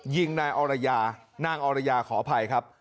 ยิงนายอรยานางอรยาขออภัยครับ